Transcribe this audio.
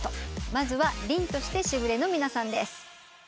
まずは凛として時雨の皆さんです。